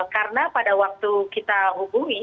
karena pada waktu kita hubungi